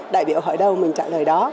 đại biểu hỏi đâu mình trả lời đó